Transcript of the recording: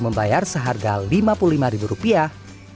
membayar seharga lima puluh lima ribu rupiah